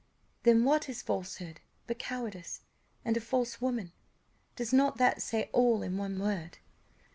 Then what is falsehood but cowardice? and a false woman! does not that say all in one word?"